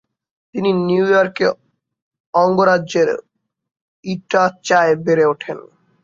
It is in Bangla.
তিনি নিউ ইয়র্ক অঙ্গরাজ্যের ইটাচায় বেড়ে ওঠেন।